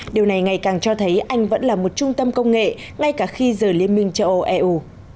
điều này ngày càng cho thấy anh vẫn là một trung tâm công nghệ ngay cả khi rời liên minh châu âu eu